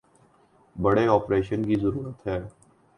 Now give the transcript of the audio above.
بڑے آپریشن کی ضرورت ہے